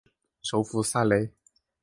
首府塞雷。